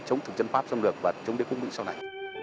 chống thực dân pháp xâm lược và chống đế quốc mỹ sau này